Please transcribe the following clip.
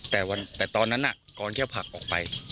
แต่ตอนนั้นน่ะกรเขี้ยวผักออกไป